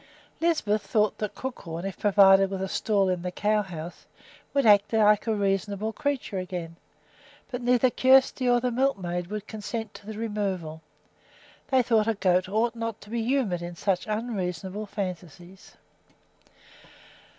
Lisbeth thought that Crookhorn, if provided with a stall in the cow house, would act like a reasonable creature again. But neither Kjersti nor the milkmaid would consent to the removal; they thought a goat ought not to be humored in such unreasonable fancies.